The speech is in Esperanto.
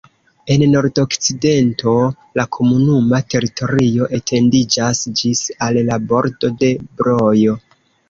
En nordokcidento la komunuma teritorio etendiĝas ĝis al la bordo de Brojo.